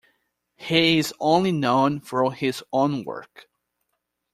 He is only known through his own work.